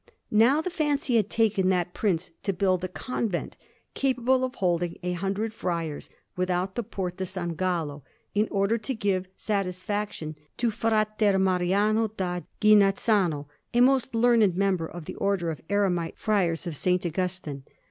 Now the fancy had taken that Prince to build a convent capable of holding a hundred friars, without the Porta S. Gallo, in order to give satisfaction to Fra Mariano da Ghinazzano, a most learned member of the Order of Eremite Friars of S. Augustine.